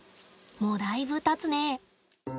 もう、だいぶたつね。